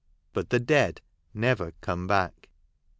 But the dead never come back.